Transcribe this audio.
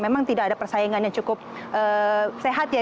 memang tidak ada persaingan yang cukup sehat ya